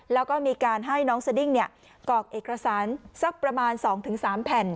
แล้วก็มีการให้น้องสดิ้งเนี่ยกรอกเอกสารสักประมาณสองถึงสามแผ่น